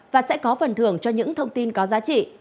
và sẽ có phần thưởng cho những thông tin có giá trị